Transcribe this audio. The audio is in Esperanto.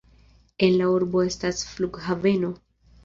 En la urbo estas flughaveno.